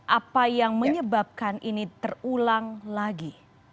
apa yang menyebabkan ini terulang lagi